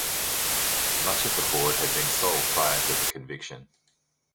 Much of the hoard had been sold prior to the conviction.